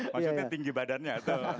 maksudnya tinggi badannya